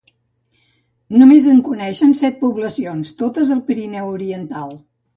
Només en coneixen set poblacions, totes al Pirineu oriental.